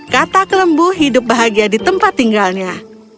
kata kelembu hidup bahagia di tempat tinggalnya